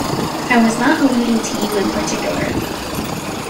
I was not alluding to you in particular.